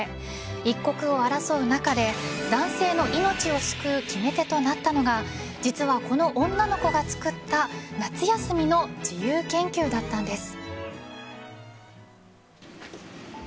一刻を争う中で男性の命を救う決め手となったのが実はこの女の子が作った夏休みの自由研究だったんです。